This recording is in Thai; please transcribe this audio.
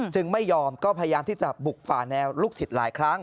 ไม่ยอมก็พยายามที่จะบุกฝ่าแนวลูกศิษย์หลายครั้ง